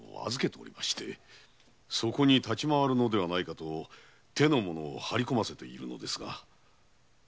そこに立ち回りはせぬかと手の者を張り込ませてあるのですが。